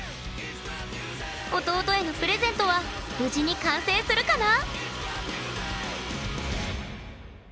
弟へのプレゼントは無事に完成するかな